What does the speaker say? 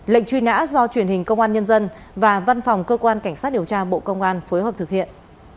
lệnh truy nã do truyền hình công an nhân dân và văn phòng cơ quan cảnh sát điều tra bộ công an phối hợp thực hiện